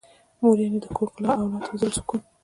مور يعنې د کور ښکلا او اولاد ته د زړه سکون.